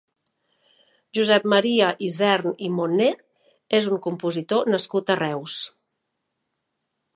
Josep Maria Isern i Monné és un compositor nascut a Reus.